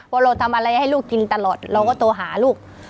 ว่าเราทำอะไรให้ลูกกินตลอดเราก็โทรหาลูก